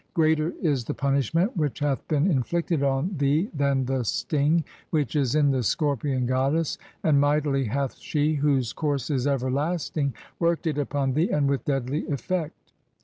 Greater is the "punishment [which hath been inflicted on] thee than the sting (?) "which is in the Scorpion goddess, and mightily hath she, whose "course is everlasting, worked it upon thee and with deadly effect.